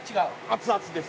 熱々？